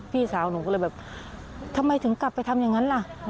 พี่สาวหนูก็เลยแบบทำไมถึงกลับไปทำอย่างนั้นล่ะ